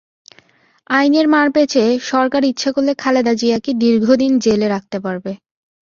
আইনের মারপ্যাঁচে সরকার ইচ্ছা করলে খালেদা জিয়াকে দীর্ঘদিন জেলে রাখতে পারবে।